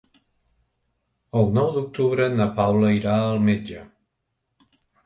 El nou d'octubre na Paula irà al metge.